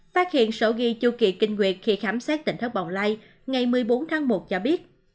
kinh nguyệt khi khám xét tỉnh thất bọng lây ngày một mươi bốn tháng một cho biết